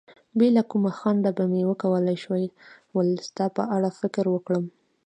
بې له کوم خنډه به مې کولای شول ستا په اړه فکر وکړم.